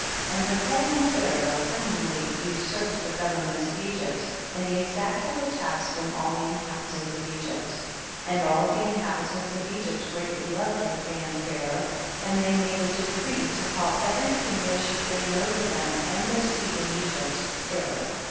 31. And Rikayon Pharaoh cun ningly usurped the government of Egypt, and he exacted a tax from all the inhabitants of Egypt. 32. And all the inhabitants of Egypt greatly loved Rikayon Pha raoh, and they made a decree to call every king that should reign over them and their seed in Egypt, Pha raoh.